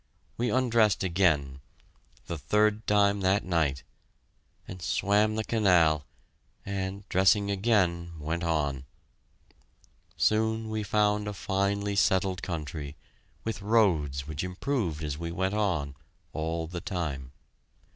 We undressed again the third time that night and swam the canal, and, dressing again, went on. Soon we found a finely settled country, with roads which improved as we went on, all the time.